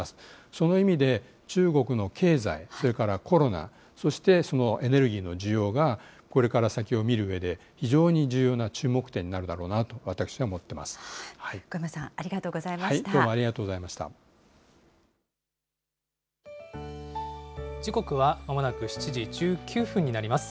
その意味で、中国の経済、それからコロナ、そしてエネルギーの需要がこれから先を見るうえで、非常に重要な注目点になるだろうな小山さん、ありがとうございどうもありがとうございまし時刻はまもなく７時１９分になります。